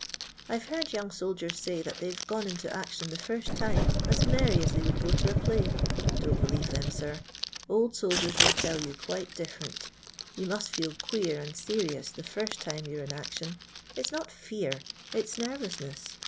I 've heard young soldien say that they've gone into action the fint time as merry as they would go to a play. Don't believe them, sir. Old soldiers will tell you quite dif ferent Ton must feel queer and serious the first time you 're in action : it 's not fear — it 's ner vousness.